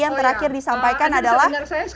yang terakhir disampaikan adalah